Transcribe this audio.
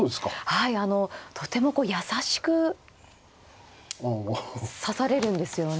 はいとても優しく指されるんですよね。